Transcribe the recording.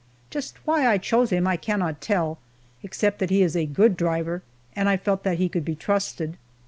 Just why I chose him I cannot tell, except that he is a good driver and I felt that he could be trusted.